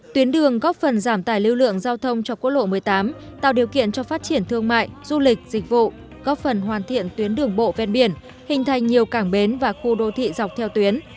tuyến đường góp phần giảm tài lưu lượng giao thông cho quốc lộ một mươi tám tạo điều kiện cho phát triển thương mại du lịch dịch vụ góp phần hoàn thiện tuyến đường bộ ven biển hình thành nhiều cảng bến và khu đô thị dọc theo tuyến